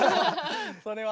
それは。